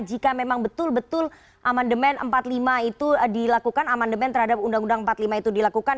jika memang betul betul amandemen empat puluh lima itu dilakukan amandemen terhadap undang undang empat puluh lima itu dilakukan